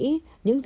mình không nghĩ